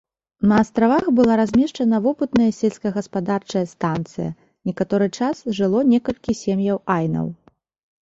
На астравах была размешчана вопытная сельскагаспадарчая станцыя, некаторы час жыло некалькі сем'яў айнаў.